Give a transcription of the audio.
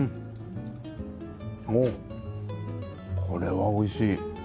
これはおいしい。